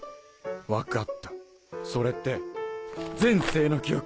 分かったそれって前世の記憶！